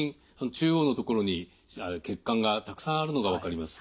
中央の所に血管がたくさんあるのが分かります。